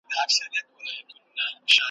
په مړانه زړه راغونډ کړو د قسمت سره جنګیږو ,